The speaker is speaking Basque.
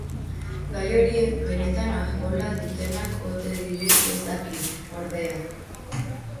Gai horiek benetan ajola dutenak ote diren ez daki, ordea.